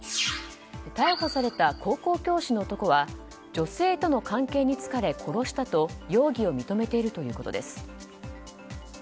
逮捕された高校教師の男は女性との関係に疲れ殺したと容疑を認めているということです。